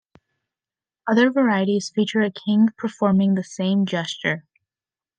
Other varieties feature a king performing the same gesture.